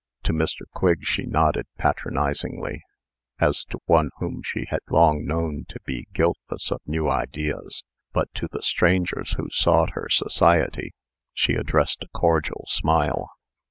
To Mr. Quigg she nodded patronizingly, as to one whom she had long known to be guiltless of new ideas; but to the strangers who sought her society, she addressed a cordial smile.